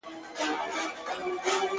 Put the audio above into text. د ستني سر چــي د ملا له دره ولـويـــږي,